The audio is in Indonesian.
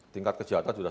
tingkat kejahatan sudah